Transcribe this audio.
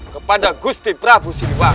kepada gusti prabowo siliwangi